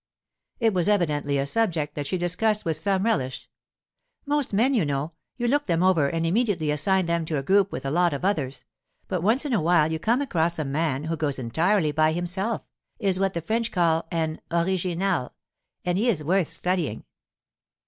It was evidently a subject that she discussed with some relish. 'Most men, you know—you look them over and immediately assign them to a group with a lot of others; but once in a while you come across a man who goes entirely by himself—is what the French call an original—and he is worth studying.